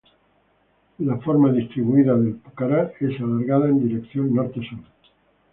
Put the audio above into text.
La forma distribuida del pucará es alargada en dirección norte-sur.